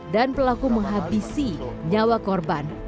dan pelaku menghabisi nyawa korban